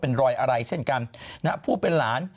เป็นรอยอะไรเช่นกันนะฮะผู้เป็นหลาน